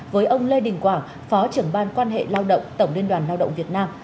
với ông lê đình quảng phó trưởng ban quan hệ lao động tổng liên đoàn lao động việt nam